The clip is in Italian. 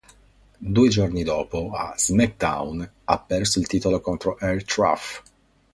Due giorni dopo, a "SmackDown", ha perso il titolo contro R-Truth.